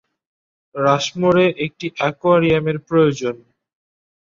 রাশমোরে একটি অ্যাকোয়ারিয়ামের প্রয়োজন।